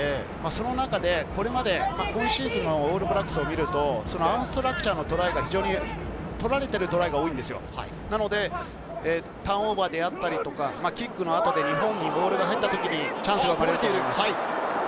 その中で今シーズンのオールブラックスを見ると、アンストラクチャーのトライを取られていることが多いので、ターンオーバーであったり、キックの後で日本にボールが入ったときにチャンスが生まれる。